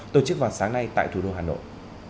tổ chức vào sáng nay tại thủ đô hà nội